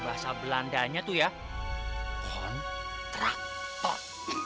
bahasa belandanya tuh ya kontraktor